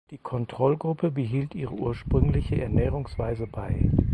Die Kontrollgruppe behielt ihre ursprüngliche Ernährungsweise bei.